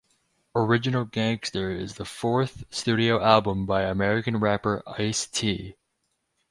Original Gangster is the fourth studio album by American rapper Ice-T.